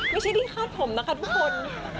ไม่ใช่ที่คาดผมนะคะทุกคน